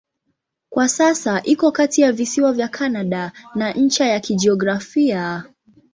Kwa sasa iko kati ya visiwa vya Kanada na ncha ya kijiografia.